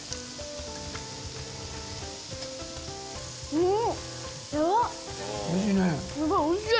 うん！